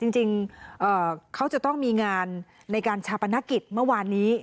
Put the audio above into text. จริงเขาจะต้องมีงานในการชาปนกิจเมื่อวานนี้